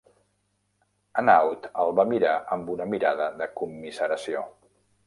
Hanaud el va mirar amb una mirada de commiseració.